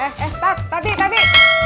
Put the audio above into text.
eh eh tad tadi tadi